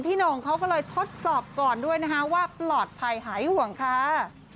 พี่หน่องเขาก็เลยทดสอบก่อนด้วยว่าปลอดภัยหายห่วงค้า